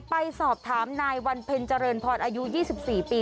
ไปสอบถามนายวันเพ็ญเจริญพรอายุ๒๔ปี